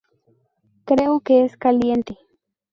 Creo que es caliente.